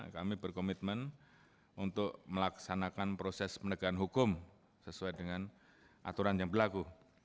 kami berkomitmen untuk melaksanakan proses penegakan hukum sesuai dengan aturan yang berlaku